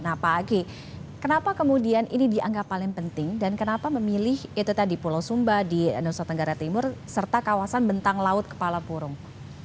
nah pak aki kenapa kemudian ini dianggap paling penting dan kenapa memilih itu tadi pulau sumba di nusa tenggara timur serta kawasan bentang laut kepala burung